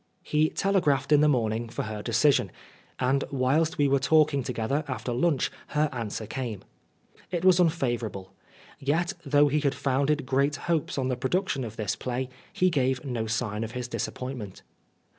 He telegraphed in the morning for her decision, and whilst we were talking together after lunch her answer came. It was unfavour able ; yet, though he had founded great hopes on the production of this play, he gave no sign of his disappointment.